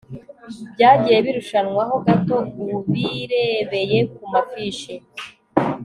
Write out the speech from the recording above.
byagiye birushanwaho gato ubirebeye ku mafishi